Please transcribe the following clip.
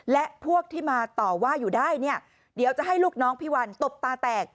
และพวกที่มาต่อว่าอยู่ได้เนี่ยเดี๋ยวจะให้ลูกน้องพี่วันตบตาแตก